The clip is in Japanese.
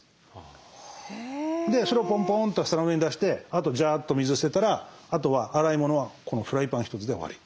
でそれをポンポンと皿の上に出してあとジャーッと水捨てたらあとは洗い物はこのフライパン一つで終わり。